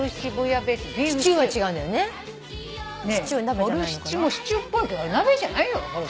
ボルシチもシチューっぽいけどあれ鍋じゃないよ。